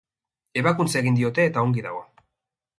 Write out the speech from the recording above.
Ebakuntza egin diote eta ongi dago.